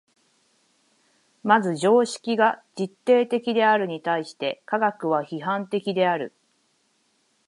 まず常識が実定的であるに対して科学は批判的である。